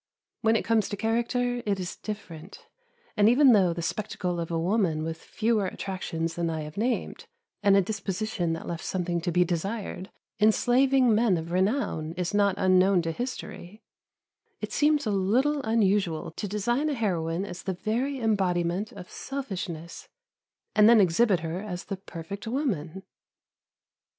When it comes to character it is different; and even though the spectacle of a woman with fewer attractions than I have named, and a disposition that left something to be desired, enslaving men of renown, is not unknown to history, it seems a little unusual to design a heroine as the very embodiment of selfishness, and then exhibit her as the perfect woman.